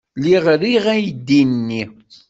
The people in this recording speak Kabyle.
Lliɣ riɣ aydi-nni.